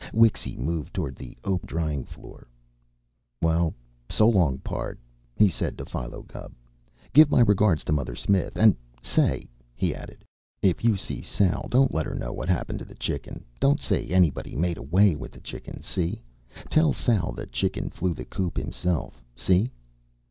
Wixy moved toward the open drying floor. "Well, so 'long, pard," he said to Philo Gubb. "Give my regards to Mother Smith. And say," he added, "if you see Sal, don't let her know what happened to the Chicken. Don't say anybody made away with the Chicken, see? Tell Sal the Chicken flew the coop himself, see?"